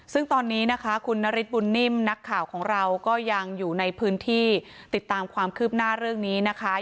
ซึ่งตอนนี้นะคะคุณนฤทธบุญนิ่มนักข่าวของเราก็ยังอยู่ในพื้นที่ติดตามความคืบหน้าเรื่องนี้นะคะ